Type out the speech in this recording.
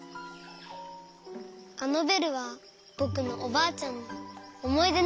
あのベルはぼくのおばあちゃんのおもいでなんだ。